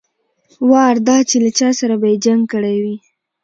وار دا چې له چا سره به يې جنګ کړى وي.